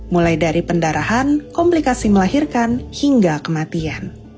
mulai dari pendarahan komplikasi melahirkan hingga kematian